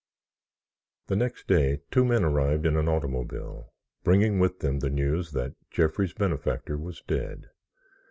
The next day two men arrived in an automobile, bringing with them the news that Jeffrey's benefactor was dead.